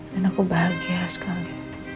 dan aku bahagia sekali